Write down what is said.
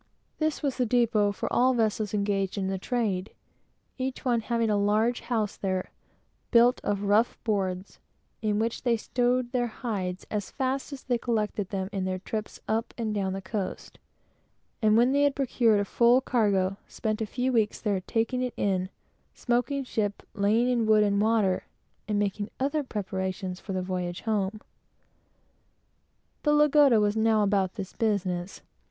This was the depot for all the vessels engaged in the trade; each one having a large house there, built of rough boards, in which they stowed their hides, as fast as they collected them in their trips up and down the coast, and when they had procured a full cargo, spent a few weeks there, taking it in, smoking ship, supplying wood and water, and making other preparations for the voyage home. The Lagoda was now about this business.